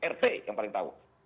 rt yang paling tahu